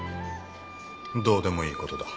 どうでもいいことだ。